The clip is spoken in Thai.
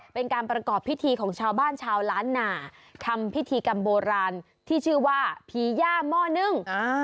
เป็นการประกอบพิธีของชาวบ้านชาวล้านหนาทำพิธีกรรมโบราณที่ชื่อว่าผีย่าหม้อนึ่ง